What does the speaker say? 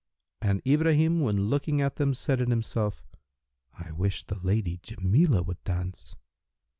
And Ibrahim when looking at them said in himself, "I wish the lady Jamilah would dance."